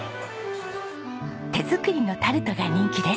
手作りのタルトが人気です。